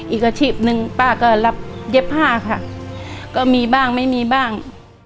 อีกอาชีพหนึ่งป้าก็รับเย็บผ้าค่ะก็มีบ้างไม่มีบ้าง